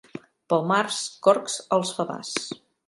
Pel març corcs als favars.